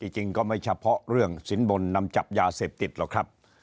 จริงก็ไม่เฉพาะเรื่องสินบนนำจับยาเสพติดหรอกครับ